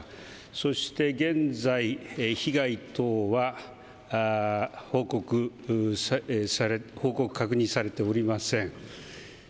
そして現在、被害等は報告、確認されておりません。